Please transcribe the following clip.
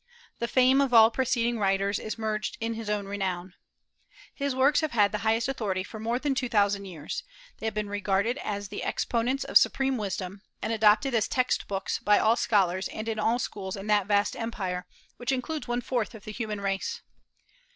The fame of all preceding writers is merged in his own renown. His works have had the highest authority for more than two thousand years. They have been regarded as the exponents of supreme wisdom, and adopted as text books by all scholars and in all schools in that vast empire, which includes one fourth of the human race.